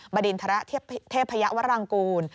บรรดินทะเละเทพยะวรรลังกูล